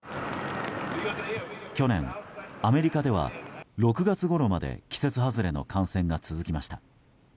去年、アメリカでは６月ごろまで季節外れの感染が続きました。